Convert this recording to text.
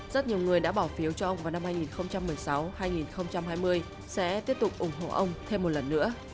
rất nhiều người đã bỏ phiếu cho ông vào năm hai nghìn một mươi sáu hai nghìn hai mươi sẽ tiếp tục ủng hộ ông thêm một lần nữa